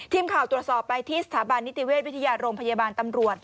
ทีมข่าวตรวจสอบไปที่สถาบันนิติเวชวิทยาโรงพยาบาลตำรวจ